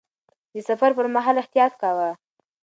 د سفر پر مهال احتياط کاوه.